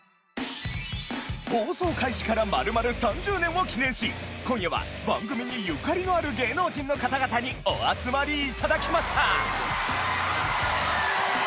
放送開始から丸々３０年を記念し今夜は番組にゆかりのある芸能人の方々にお集まりいただきました